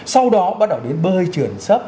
sau đó bắt đầu đến bơi chuyển sấp